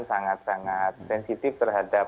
sangat sangat sensitif terhadap